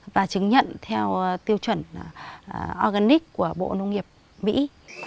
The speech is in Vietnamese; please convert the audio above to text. và chứng nhận theo tiêu chuẩn organic của bộ nông nghiệp mỹ